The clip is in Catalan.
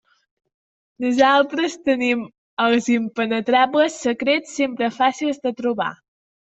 Nosaltres tenim els impenetrables secrets sempre fàcils de trobar.